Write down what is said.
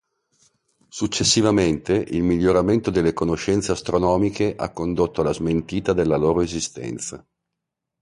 Successivamente, il miglioramento delle conoscenze astronomiche ha condotto alla smentita della loro esistenza.